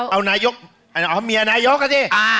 เอานายกเอาเมียนายกอ่ะสิ